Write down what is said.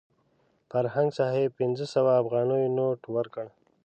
فرهنګ صاحب پنځه سوه افغانیو نوټ ورکړ.